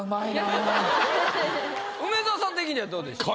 梅沢さん的にはどうでしょう？